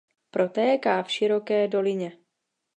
Protéká v široké dolině.